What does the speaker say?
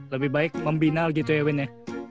lebih baik membina gitu ya win ya